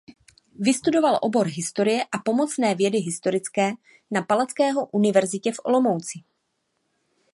Vystudoval obor historie a pomocné vědy historické na Palackého univerzitě v Olomouci.